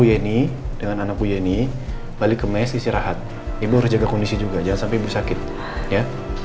ini dengan anakku yeni balik ke meskisi rahat ibu harus jaga kondisi juga jangan sampai sakit ya